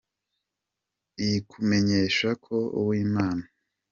kimumenyeshanya ko ‘Uwimana.